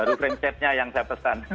baru frame setnya yang saya pesan